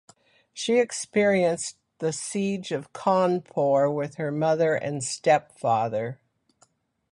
She experienced the Siege of Cawnpore with her mother and stepfather.